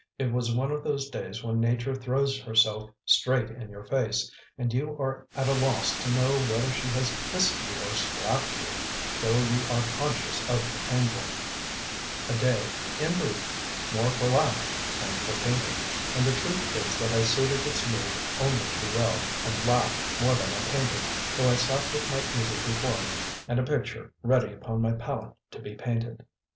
It was one of those days when Nature throws herself straight in your face and you are at a loss to know whether she has kissed you or slapped you, though you are conscious of the tingle; a day, in brief, more for laughing than for painting, and the truth is that I suited its mood only too well, and laughed more than I painted, though I sat with my easel before me and a picture ready upon my palette to be painted.